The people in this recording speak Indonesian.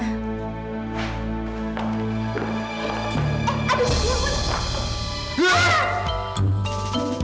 eh aduh ya ampun